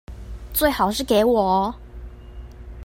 最好是給我